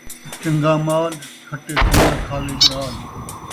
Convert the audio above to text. اٹھ چنڳاں مال، کھٹے سونا کھاوے ڄال